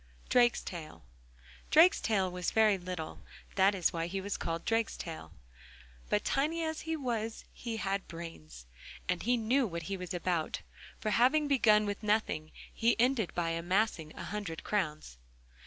DRAKESTAIL Drakestail was very little, that is why he was called Drakestail; but tiny as he was he had brains, and he knew what he was about, for having begun with nothing he ended by amassing a hundred crowns.